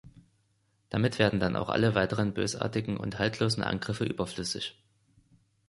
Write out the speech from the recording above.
Damit werden dann auch alle weiteren bösartigen und haltlosen Angriffe überflüssig.